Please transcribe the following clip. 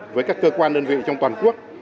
với các cơ quan đơn vị trong toàn quốc